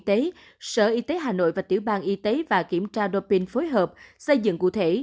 tế sở y tế hà nội và tiểu bang y tế và kiểm tra doping phối hợp xây dựng cụ thể